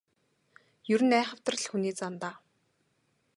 Ер нь айхавтар л хүний зан даа.